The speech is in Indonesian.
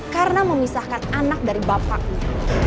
karena memisahkan anak dari bapaknya